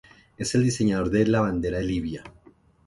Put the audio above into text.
Es el diseñador de la bandera de Libia.